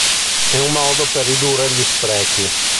È un modo per ridurre gli sprechi.